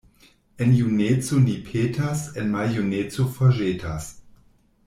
En juneco ni petas, en maljuneco forĵetas.